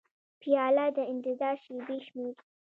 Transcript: پیاله د انتظار شېبې شمېري.